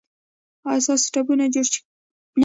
ایا ستاسو ټپونه جوړ شوي نه دي؟